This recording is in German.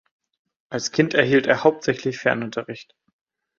Als Kind erhielt er hauptsächlich Fernunterricht.